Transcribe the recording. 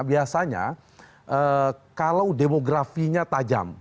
biasanya kalau demografinya tajam